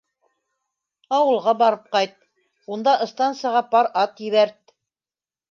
Ауылға барып ҡайт, унда ыстансаға пар ат ебәрт.